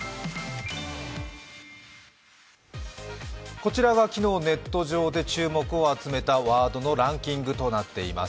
こちらが昨日、ネット上で注目を集めたワードのランキングとなっています。